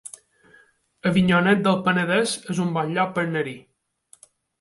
Avinyonet del Penedès es un bon lloc per anar-hi